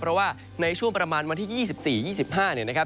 เพราะว่าในช่วงประมาณวันที่๒๔๒๕เนี่ยนะครับ